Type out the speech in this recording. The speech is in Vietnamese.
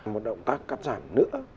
một động tác cắt giảm nữa